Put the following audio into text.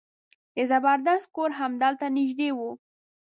د زبردست کور همدلته نژدې و.